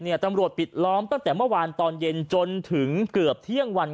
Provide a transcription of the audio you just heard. ตำรวจปิดล้อมตั้งแต่เมื่อวานตอนเย็นจนถึงเกือบเที่ยงวัน